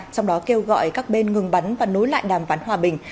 trong đó kêu gọi các bên ngừng bắn và nối lại đàm phán hòa bình